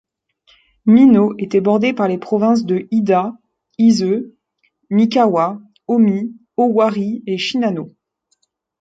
Mino était bordée par les provinces de Hida, Ise, Mikawa, Omi, Owari et Shinano.